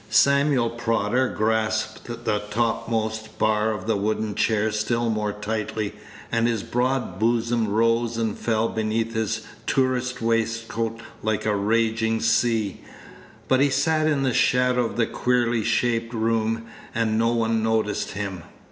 Samuel Prodder grasped the topmost bar of the wooden chair still more tightly, and his broad bosom rose and fell beneath his tourist waistcoat like a raging sea; but he sat in the shadow of the queerly shaped room, and no one noticed him.